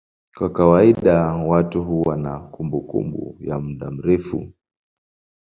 Kwa kawaida watu huwa na kumbukumbu ya muda mrefu.